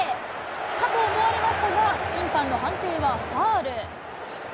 かと思われましたが、審判の判定はファウル。